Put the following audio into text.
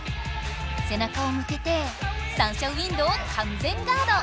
背中をむけてサンシャＷＩＮＤを完全ガード！